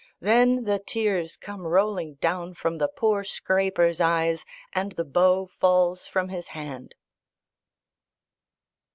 Then the tears come rolling down from the poor scraper's eyes and the bow falls from his hand.